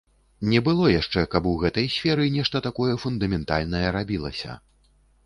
Не было яшчэ, каб у гэтай сферы нешта такое фундаментальнае рабілася.